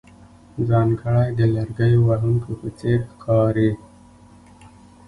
ځانګړی د لرګیو وهونکو په څېر ښکارې.